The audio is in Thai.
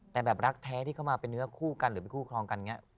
แต่แบบรักแท้ที่เข้ามาเป็นเนื้อคู่กันหรือเป็นคู่ครองกันอย่างนี้